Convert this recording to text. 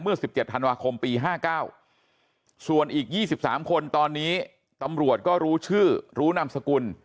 ๑๗ธันวาคมปี๕๙ส่วนอีก๒๓คนตอนนี้ตำรวจก็รู้ชื่อรู้นามสกุล